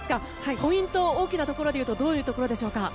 ポイントは大きなところで言うとどういったところでしょうか。